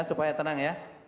ya supaya tenang ya